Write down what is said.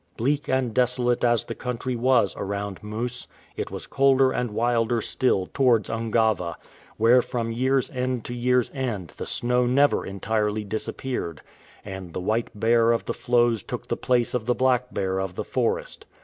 Bleak and desolate as the country was around Moose, it was colder and wilder still towards Ungava, where from year''s end to year's end the snow never entirely disappeared, and the white bear of the floes took the place of the black bear of the forest.